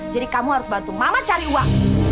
jadi kamu harus bantu mama cari uang